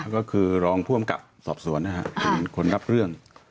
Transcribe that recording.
ก็คือรองพ่วนกลับสอบสวนคุณรับเรื่อง